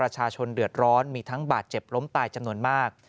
ประชาชนเดือดร้อนมีทั้งบาดเจ็บล้มตายจำนวนมาก